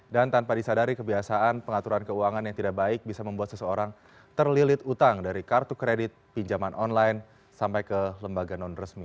dan tanpa disadari kebiasaan pengaturan keuangan yang tidak baik bisa membuat seseorang terlilit utang dari kartu kredit pinjaman online sampai ke lembaga non resmi